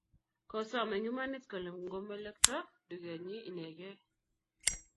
kosom eng imanit kole komelkto dukennyi inengei